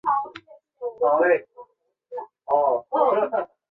吐迷度被唐朝封为怀化大将军兼瀚海都督。